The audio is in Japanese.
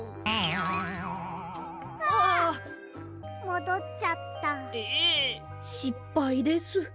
もどっちゃった。え！？しっぱいです。